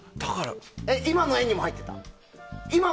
今の画にも入ってた？